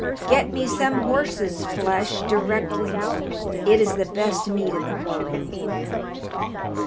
Get me some horse's flesh directly it is the best meat in the world!'